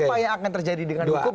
apa yang akan terjadi dengan hukum